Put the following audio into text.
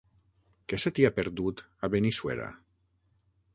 Què se t'hi ha perdut, a Benissuera?